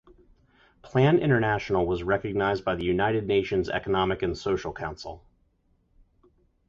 Plan International was recognised by the United Nations Economic and Social Council.